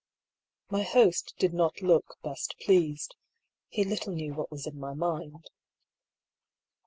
My host did not look best pleased. He little knew what was in my mind.